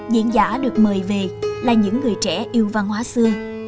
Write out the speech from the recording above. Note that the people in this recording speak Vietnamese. diễn giả được mời về là những người trẻ yêu văn hóa xưa